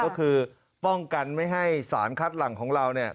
ก็คือป้องกันไม่ให้สารคัดหลังของเราเนี่ย